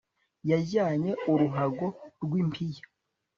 Yajyanye uruhago rwimpiya